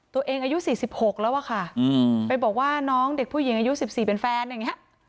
ตัวเองอายุสี่สิบหกแล้วว่ะค่ะไปบอกว่าน้องเด็กผู้หญิงอายุสิบสี่เป็นแฟนอย่างเงี้ย